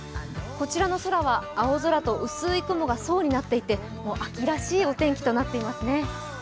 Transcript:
こちらの空は青空と薄い雲が層になっていて秋らしいお天気となっていますね。